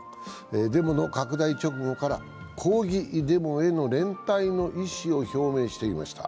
デモの拡大直後から抗議デモへの連帯の意思を表明していました。